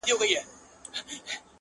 په اتڼ به سي ور ګډ د څڼورو؛